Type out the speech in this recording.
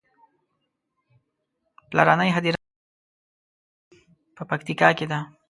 پلرنۍ هديره مې اوس هم په پکتيکا کې ده.